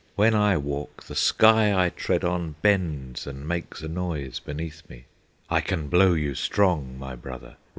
When I walk, the sky I tread on Bends and makes a noise beneath me! I can blow you strong, my brother!